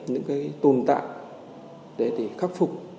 những cái tồn tại để khắc phục